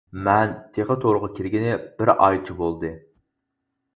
مەن تېخى تورغا كىرگىنى بىر ئايچە بولدى.